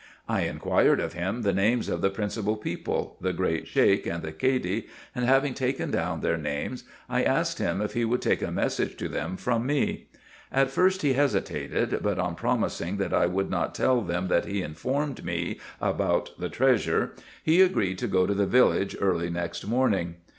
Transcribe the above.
I inquired of him the names of the principal people, the great Sheik and the Cady, and having taken down their names, I asked him if he would take a message to them from me: at first he hesitated, but on promising that I would not tell them that he informed me about the treasure, he agreed to go to the village early next morning.